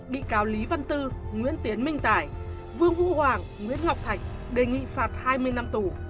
bị cáo lý văn tư nguyễn tiến minh tải vương vũ hoàng nguyễn ngọc thạch đề nghị phạt hai mươi năm tù